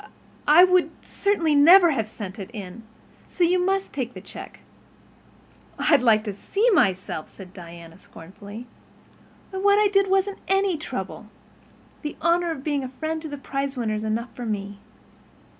I—I would certainly never have sent it. So you must take the check." "I'd like to see myself," said Diana scornfully. "Why, what I did wasn't any trouble. The honor of being a friend of the prizewinner is enough for me.